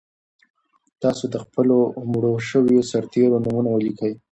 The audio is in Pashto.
تاسو د خپلو مړو شویو سرتېرو نومونه ولیکئ.